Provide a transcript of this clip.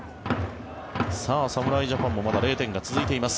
侍ジャパンもまだ０点が続いています。